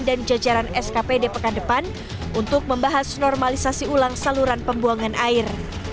dan jajaran skp di pekan depan untuk membahas normalisasi ulang saluran pembuangan air